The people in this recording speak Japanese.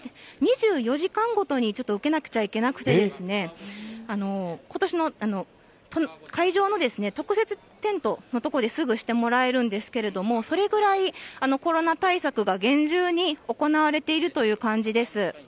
２４時間ごとにずっと受けなきゃいけなくてですね、ことしの会場の特設テントの所ですぐしてもらえるんですけれども、それぐらい、コロナ対策が厳重に行われているという感じです。